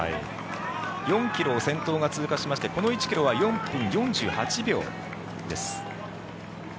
４ｋｍを先頭が通過しましてこの１ｋｍは４分４８秒です。